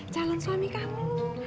calon suami kamu